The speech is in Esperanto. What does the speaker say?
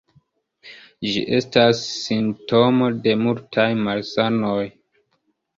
Ĝi estas simptomo de multaj malsanoj.